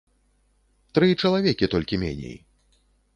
Тры чалавекі толькі меней.